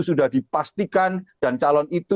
sudah dipastikan dan calon itu